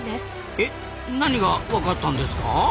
え何が分かったんですか？